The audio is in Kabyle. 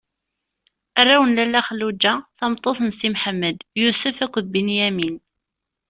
Arraw n Lalla Xelluǧa tameṭṭut n Si Mḥemmed: Yusef akked Binyamin.